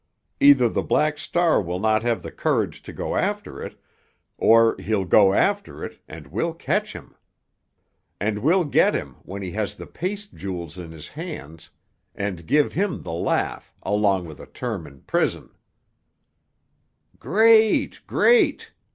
Either the Black Star will not have the courage to go after it—or he'll go after it, and we'll catch him. And we'll get him when he has the paste jewels in his hands, and give him the laugh, along with a term in prison." "Great—great!"